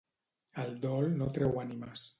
El dol no treu ànimes.